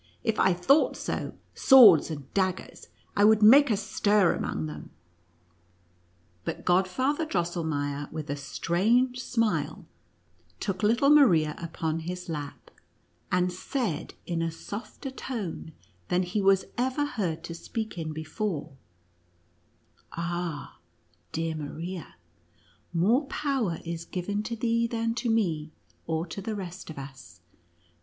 If I thought so — swords and daggers !— I would make a stir among them !" But Godfather Drosselmeier, with a strange smile, took little Maria upon his lap, and said in a softer tone than he was ever heard to speak in before: "Ah, dear Maria, more power is given to thee than to me, or to the rest of us.